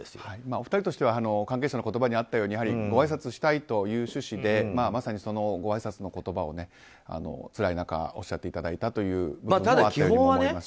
お二人としては関係者の言葉にあったようにごあいさつしたいという趣旨でまさにごあいさつの言葉をおつらい中おっしゃってくださったのもあったと思います。